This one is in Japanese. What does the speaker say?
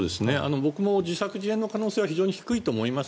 僕も自作自演の可能性は非常に低いと思います。